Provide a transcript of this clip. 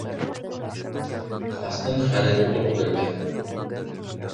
Астың хәлен туҡ белмәҫ.